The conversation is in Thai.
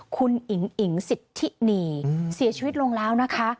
คุณอิ๋งอิ๋งสิทธินีเสียชีวิตลงแล้วนะคะ